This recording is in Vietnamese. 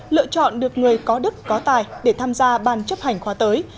lựa chọn được người có đức có tài để tham gia ban chấp hành khóa tới